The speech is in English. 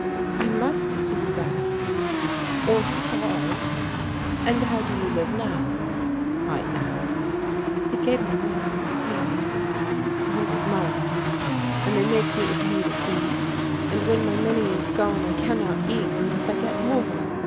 "I must do that or starve." "And how do you live now?" I asked. "They gave me money when I came here, a hundred marks. And they make me pay to eat and when my money is gone I cannot eat unless I get more.